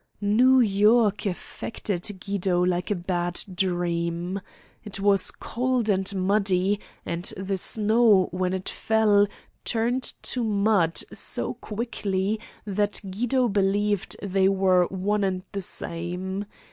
New York affected Guido like a bad dream. It was cold and muddy, and the snow when it fell turned to mud so quickly that Guido believed they were one and the same.